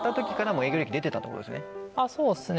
そうですね